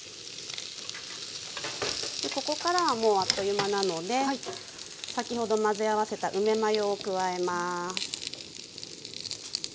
ここからはもうあっという間なので先ほど混ぜ合わせた梅マヨを加えます。